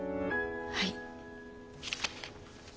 はい。